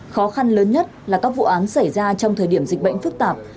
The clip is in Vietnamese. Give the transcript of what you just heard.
khó khăn lớn nhất là các vụ án xảy ra trong thời điểm dịch bệnh phức tạp